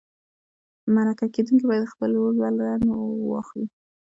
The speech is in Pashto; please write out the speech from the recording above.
مرکه کېدونکی باید د خپل رول بدل واخلي.